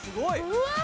うわ！